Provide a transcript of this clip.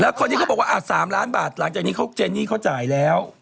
คนที่เขาบอกว่า๓ล้านบาทหลังจากนี้เขาเจนี่เขาจ่ายแล้ว